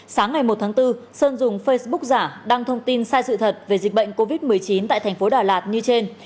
sáng ngày một tháng bốn sơn dùng facebook giả đăng thông tin sai sự thật về dịch bệnh covid một mươi chín tại thành phố đà lạt như trên